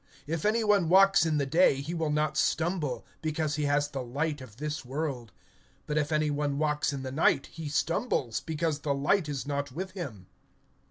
If any one walk in the day, he stumbles not, because he sees the light of this world. (10)But if any one walk in the night, he stumbles, because the light is not in him.